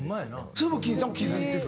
それもうＫＥＥＮさんも気付いてる？